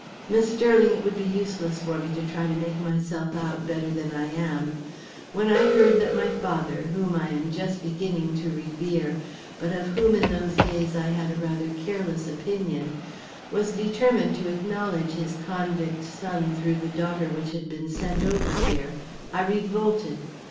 Miss Sterling, it would be useless for me to try to make myself out better than I am. When I heard that my father, whom I am just beginning to revere but of whom in those days I had rather a careless opinion, was determined to acknowledge his convict son through the daughter which had been sent over here, I revolted.